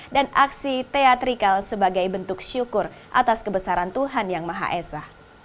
dan aksi teatrikal sebagai bentuk syukur atas kebesaran tuhan yang maha esa